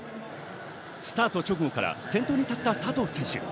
スタート直後から先頭に立った佐藤選手。